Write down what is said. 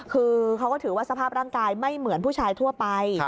คือเขาก็ถือว่าสภาพร่างกายไม่เหมือนผู้ชายทั่วไป